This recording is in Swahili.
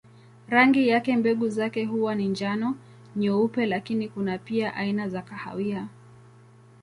Rangi ya mbegu zake huwa ni njano, nyeupe lakini kuna pia aina za kahawia.